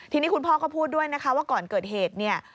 ทีนี้คุณพ่อก็พูดด้วยนะคะว่าก่อนเกิดเหตุเนี่ย